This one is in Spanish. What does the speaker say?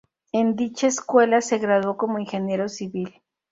En dicha escuela se graduó como Ingeniero Civil.